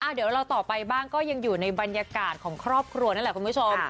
เดี๋ยวเราต่อไปบ้างก็ยังอยู่ในบรรยากาศของครอบครัวนั่นแหละคุณผู้ชม